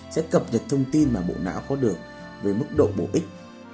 sẽ cập nhật thông tin mà bộ não có được với mức độ bổ ích